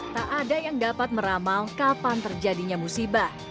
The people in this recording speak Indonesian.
tak ada yang dapat meramal kapan terjadinya musibah